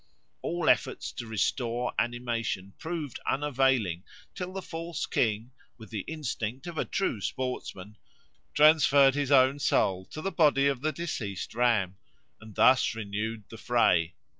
All efforts to restore animation proved unavailing till the false king, with the instinct of a true sportsman, transferred his own soul to the body of the deceased ram, and thus renewed the fray.